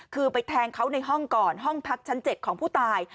คือไปแทงเขาในห้องก่อนห้องพักชั้น๗ของผู้ตาย